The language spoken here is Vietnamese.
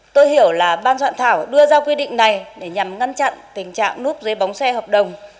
tôi hiểu là ban soạn thảo đưa ra quy định này để nhằm ngăn chặn tình trạng núp giấy bóng xe hợp đồng